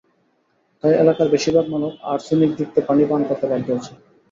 তাই এলাকার বেশির ভাগ মানুষ আর্সেনিকযুক্ত পানি পান করতে বাধ্য হচ্ছে।